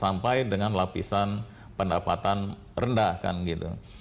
sampai dengan lapisan pendapatan rendah kan gitu